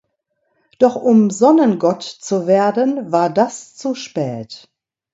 Doch um Sonnengott zu werden, war das zu spät.